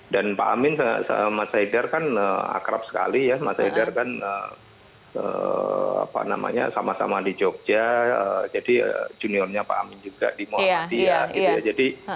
dan pak amin sama mas haider kan akrab sekali ya mas haider kan sama sama di jogja jadi juniornya pak amin juga di muhammadiyah